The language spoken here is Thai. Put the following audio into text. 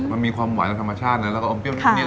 มันมีความหวานธรรมชาติเลยแล้วก็อมเปรี้ยวนิด